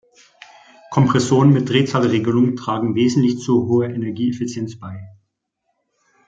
Kompressoren mit Drehzahlregelung tragen wesentlich zu hoher Energieeffizienz bei.